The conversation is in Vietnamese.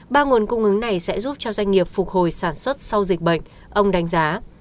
ba nguồn cung ứng này sẽ giúp cho doanh nghiệp phục hồi sản xuất sau dịch bệnh ông đánh giá